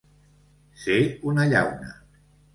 Ser una llauna.